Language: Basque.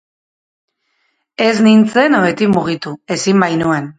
Ez nintzen ohetik mugitu, ezin bainuen.